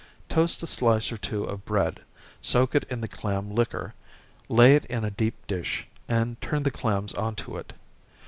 Toast a slice or two of bread, soak it in the clam liquor, lay it in a deep dish, and turn the clams on to it.